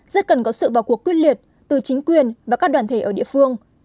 rất cần có sự vào cuộc quyết liệt từ chính quyền và các đoàn thể ở địa phương